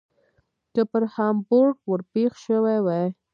که پر هامبورګ ور پیښ شوي وای.